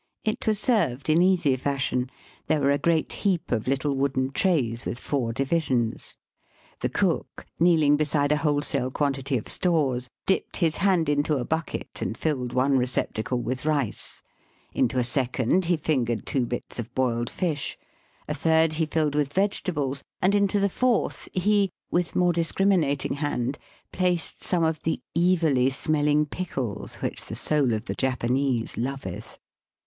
It was served in easy fashion. There were a great heap of Uttle wooden trays with four divisions. The cook, kneeling beside a wholesale quan tity of stores, dipped his hand into a bucket Digitized by VjOOQIC BY SEA AND LAND TO KIOTO. 41 and filled one receptacle with rice. Into a ^second he fingered two hits of hoiled fish ; a third he filled with vegetables, and into the fourth he, with more discriminating hand, placed some of the evilly smelling pickles which the soul of the Japanese loveth.